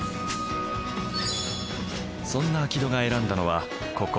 そんな明戸が選んだのはここ。